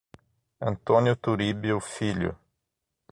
Antônio Turibio Filho